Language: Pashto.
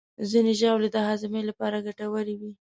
ځینې ژاولې د هاضمې لپاره ګټورې وي.